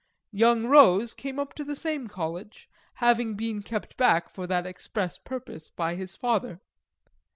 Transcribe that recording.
Young Rose came up to the same College, having been kept back for that express purpose by his father.